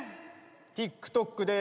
ＴｉｋＴｏｋです。